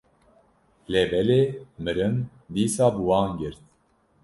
lêbelê mirin dîsa bi wan girt.